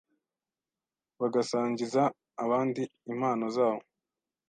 bagasangiza abandi impano zabo,